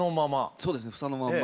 そうですね房のまんま。